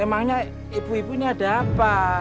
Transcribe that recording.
emangnya ibu ibu ini ada apa